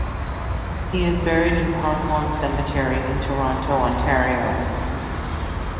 He is buried in Park Lawn cemetery in Toronto, Ontario.